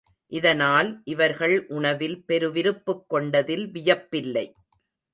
இதனால், இவர்கள் உணவில் பெருவிருப்புக் கொண்டதில் வியப்பில்லை.